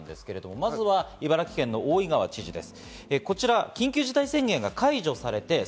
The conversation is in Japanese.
まずは茨城県の大井川知事です。